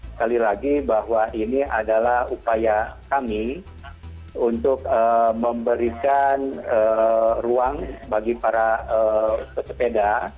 sekali lagi bahwa ini adalah upaya kami untuk memberikan ruang bagi para pesepeda